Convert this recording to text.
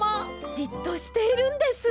じっとしているんです。